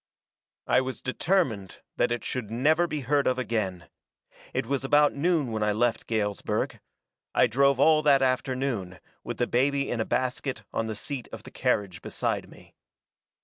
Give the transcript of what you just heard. "I was determined that it should never be heard of again. It was about noon when I left Galesburg. I drove all that afternoon, with the baby in a basket on the seat of the carriage beside me.